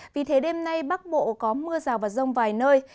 vì thế đêm nay bắc bộ có mưa rào và rông vài nơi